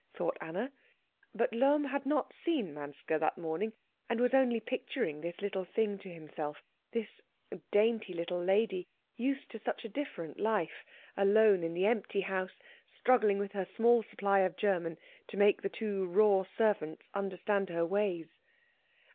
thought Anna. But Lohm had not seen Manske that morning, and was only picturing this little thing to himself, this dainty little lady, used to such a different life, alone in the empty house, struggling with her small supply of German to make the two raw servants understand her ways.